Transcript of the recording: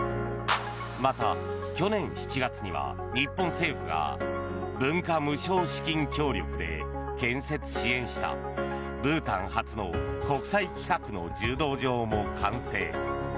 また、去年７月には日本政府が文化無償資金協力で建設・支援したブータン初の国際規格の柔道場も完成。